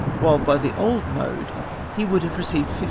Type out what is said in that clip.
whilst by the old mode he would have received 156!.